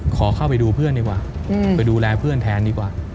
ขอเข้าไปดูเพื่อนดีกว่าไปดูแลเพื่อนแทนดีกว่า